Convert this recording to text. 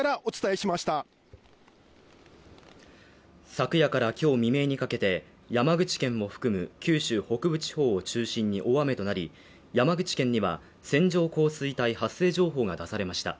昨夜から今日未明にかけて、山口県も含む九州北部地方を中心に大雨となり、山口県には線状降水帯発生情報が出されました。